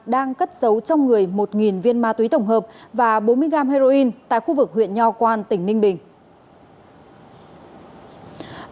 đang cất giấu trong người một viên ma túy tổng hợp và bốn mươi gram heroin tại khu vực huyện nho quan tỉnh ninh bình